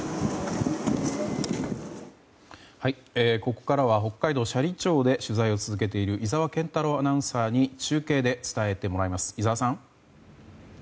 ここからは北海道斜里町で取材を続けている井澤健太朗アナウンサーに中継で伝えてもらいます。